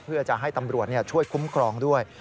เพื่อจะให้ตำรวจช่วยคุ้มครองด้วย